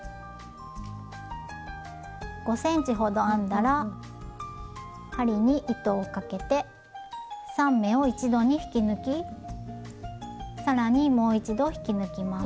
５ｃｍほど編んだら針に糸をかけて３目を一度に引き抜き更にもう一度引き抜きます。